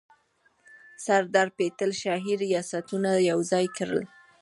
سردار پټیل شاهي ریاستونه یوځای کړل.